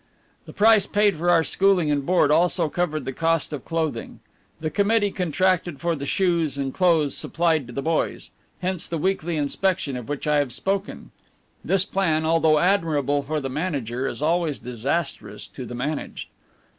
The price paid for our schooling and board also covered the cost of clothing. The committee contracted for the shoes and clothes supplied to the boys; hence the weekly inspection of which I have spoken. This plan, though admirable for the manager, is always disastrous to the managed.